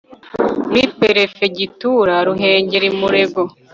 muri perefegitura ruhengeri murego